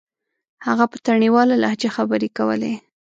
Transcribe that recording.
هغه په تڼيواله لهجه خبرې کولې.